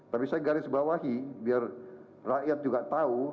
tapi saya garis bawahi biar rakyat juga tahu